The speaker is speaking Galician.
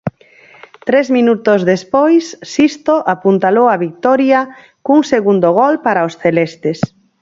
Tres minutos despois, Sisto apuntalou a vitoria cun segundo gol para os celestes.